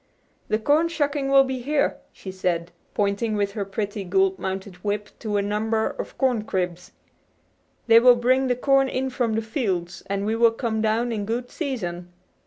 "The corn shucking will be here," she said, pointing with her pretty gold mounted whip to a number of corn cribs. "They will bring the corn in from the fields, and we will come down in good season."